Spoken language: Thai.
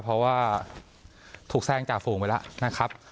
เพราะว่าถูกแทรกจ่าฝูงไปแล้วนะครับ